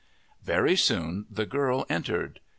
Very soon the girl entered.